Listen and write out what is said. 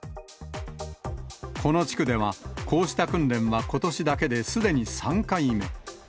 この地区では、こうした訓練はことしだけですでに３回目。